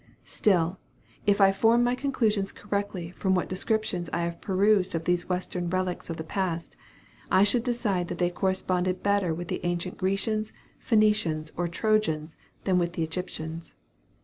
Still, if I form my conclusions correctly from what descriptions I have perused of these Western relics of the past, I should decide that they corresponded better with the ancient Grecians, Phoenicians, or Trojans, than with the Egyptians.